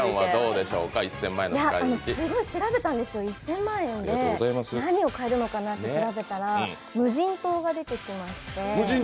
すごい調べたんですよ、１０００万円で何を買えるのかなって調べたら無人島が出てきまして。